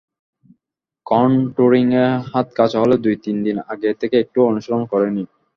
কনট্যুরিংয়ে হাত কাঁচা হলে দু-তিন দিন আগে থেকে একটু অনুশীলন করে নিন।